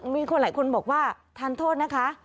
มีคนหลายคนบอกว่าทานโทษนะคะ